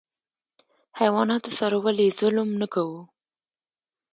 حیواناتو سره ولې ظلم نه کوو؟